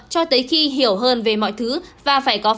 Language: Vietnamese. cho tới khi hiểu hơn về mọi thứ và phải có phản ứng phù hợp